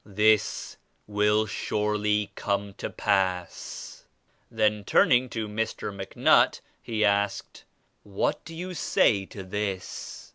This will surely come to pass." Then turning to Mr. MacNutt, he asked: "What do you say to this?"